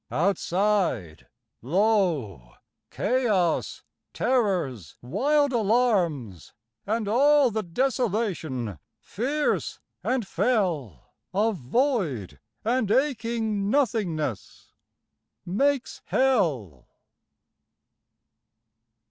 Outside, lo! chaos, terrors' wild alarms, And all the desolation fierce and fell Of void and aching nothingness, makes Hell.